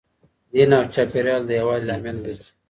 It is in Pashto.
دین او چاپیریال د یووالي لامل ګرځي.